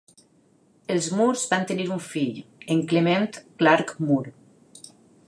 Els Moores van tenir un fill, en Clement Clarke Moore.